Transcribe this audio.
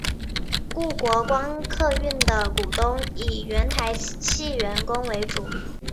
故国光客运的股东以原台汽员工为主。